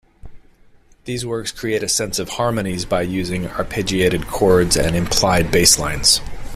These works create a sense of harmonies by using arpeggiated chords and implied basslines.